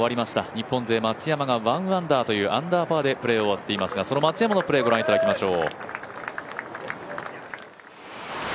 日本勢、松山が１アンダーというアンダーパーでプレーを回っていますがその松山のプレー、ご覧いただきましょう。